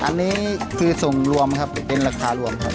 อันนี้คือส่งรวมครับเป็นราคารวมครับ